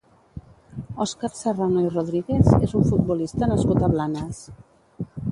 Òscar Serrano i Rodríguez és un futbolista nascut a Blanes.